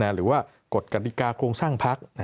หรือว่ากฎกติกาโครงสร้างพัก